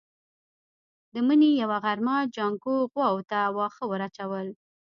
د مني يوه غرمه جانکو غواوو ته واښه ور اچول.